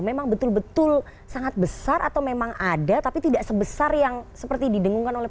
memang betul betul sangat besar atau memang ada tapi tidak sebesar yang seperti didengungkan oleh